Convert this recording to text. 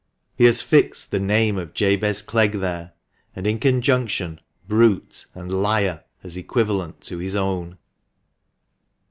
He has fixed the name of Jabez Clegg there, and in conjunction " brute " and " liar," as equivalent to his own.